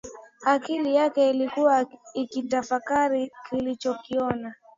Akili yake ilikuwa ikitafakari alichokiona